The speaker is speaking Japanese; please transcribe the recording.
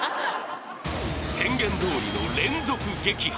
［宣言どおりの連続撃破］